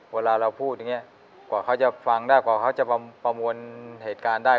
เวลาเราพูดอย่างนี้กว่าเขาจะฟังได้กว่าเขาจะประมวลเหตุการณ์ได้